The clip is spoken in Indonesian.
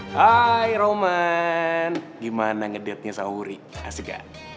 hai roman gimana ngedatnya sama uri asik gak